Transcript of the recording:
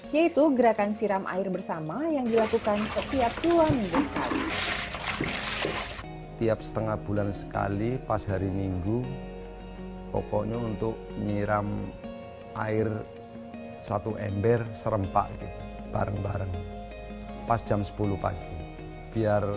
yaitu gerakan kesehatan dan kemampuan untuk memelihara dan menjaga saluran ipal